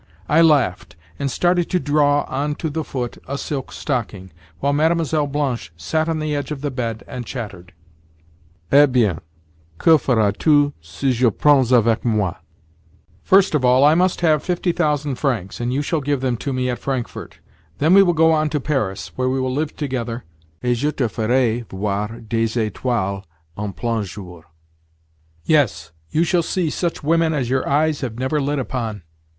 I laughed, and started to draw on to the foot a silk stocking, while Mlle. Blanche sat on the edge of the bed and chattered. "Eh bien, que feras tu si je te prends avec moi? First of all I must have fifty thousand francs, and you shall give them to me at Frankfurt. Then we will go on to Paris, where we will live together, et je te ferai voir des étoiles en plein jour. Yes, you shall see such women as your eyes have never lit upon."